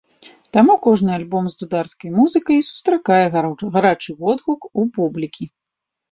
Таму кожны альбом з дударскай музыкай і сустракае гарачы водгук у публікі.